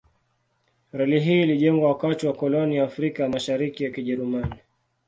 Reli hii ilijengwa wakati wa koloni ya Afrika ya Mashariki ya Kijerumani.